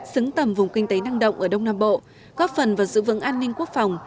xứng tầm vùng kinh tế năng động ở đông nam bộ góp phần vào giữ vững an ninh quốc phòng